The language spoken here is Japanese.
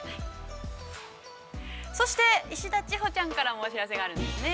◆そして石田千穂ちゃんからもお知らせがあるんですね。